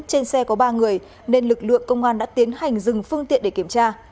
trên xe có ba người nên lực lượng công an đã tiến hành dừng phương tiện để kiểm tra